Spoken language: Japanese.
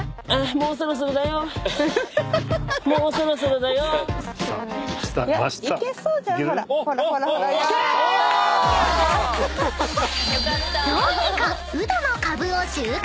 ［どうにかうどの株を収穫］